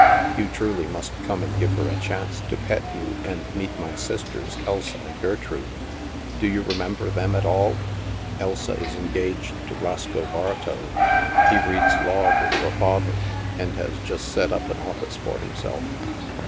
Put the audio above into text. You truly must come and give her a chance to pet you, and meet my sisters, Elsa and Gertrude. Do you remember them at all? Elsa is engaged to Roscoe Bartow. He read law with your father, and has just set up an office for himself."